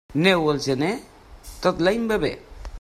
Neu al gener, tot l'any va bé.